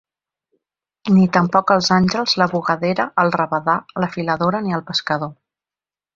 Ni tampoc els àngels, la bugadera, el rabadà, la filadora ni el pescador.